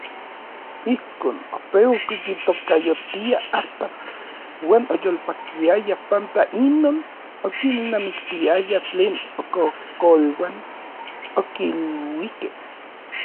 Ijkon, opejki kitokayotia Astatl uan oyolpakiaya panpa inon okilnamiktiaya tlen ikojkoluan okiluikej.